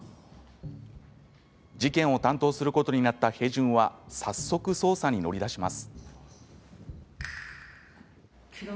事件を担当することになったヘジュンは早速、捜査に乗り出します。